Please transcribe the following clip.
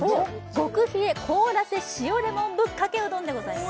極冷凍らせ塩レモンぶっかけうどんです。